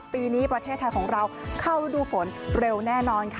ปีนี้ประเทศไทยของเราเข้ารูดูฝนเร็วแน่นอนค่ะ